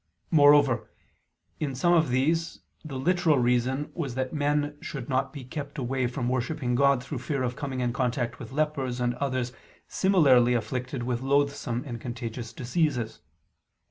Moreover, in some of these the literal reason was that men should not be kept away from worshipping God through fear of coming in contact with lepers and others similarly afflicted with loathsome and contagious diseases.